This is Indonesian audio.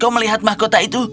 kau melihat mahkota itu